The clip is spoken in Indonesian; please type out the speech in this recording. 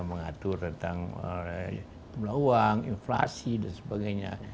mengatur tentang jumlah uang inflasi dan sebagainya